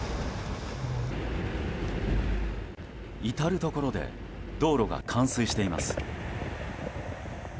至るところで道路が冠水しています。